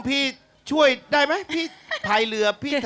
พี่ช่วยได้ไหมพี่พายเรือพี่